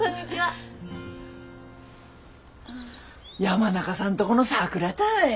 山中さんとこのさくらたい。